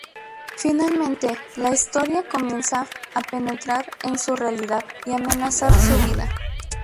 Finalmente, la historia comienza a penetrar en su realidad, y amenazar su vida.